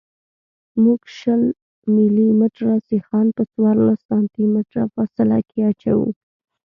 موږ شل ملي متره سیخان په څوارلس سانتي متره فاصله کې اچوو